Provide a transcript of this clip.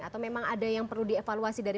atau memang ada yang perlu dievaluasi dari